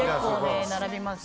並びますね。